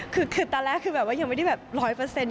คือตอนแรกคือแบบว่ายังไม่ได้แบบร้อยเปอร์เซ็นต